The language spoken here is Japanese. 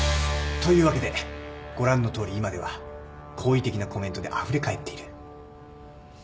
というわけでご覧のとおり今では好意的なコメントであふれかえっている。